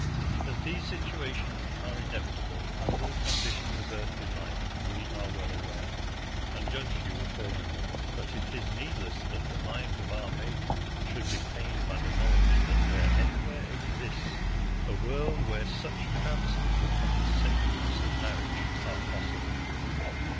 That these situations are inevitable under the conditions of earthly life we are well aware, and judge you accordingly; but it is needless that the minds of our maidens should be pained by the knowledge that there anywhere exists a world where such travesties upon the sacredness of marriage are possible.